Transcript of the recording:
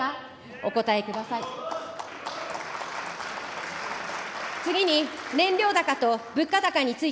お答えください。